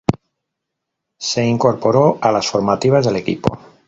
Se incorporó a las formativas del equipo.